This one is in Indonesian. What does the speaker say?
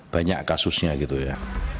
banyak kasusnya gitu ya